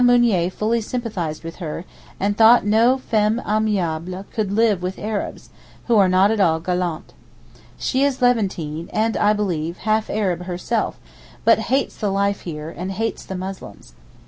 Mounier fully sympathized with her, and thought no femme aimable could live with Arabs, who are not at all galants. She is Levantine, and, I believe, half Arab herself, but hates the life here, and hates the Muslims.